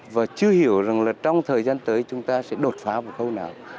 và chưa hiểu rằng trong thời gian tới chúng ta sẽ đột phá một khâu nào